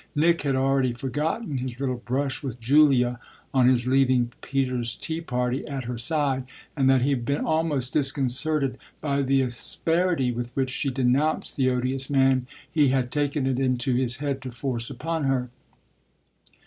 Nick had already forgotten his little brush with Julia on his leaving Peter's tea party at her side, and that he had been almost disconcerted by the asperity with which she denounced the odious man he had taken it into his head to force upon her.